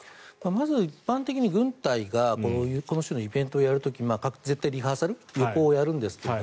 まず、一般的に軍隊がこの種のイベントをやる時絶対にリハーサル予行をやるんですけど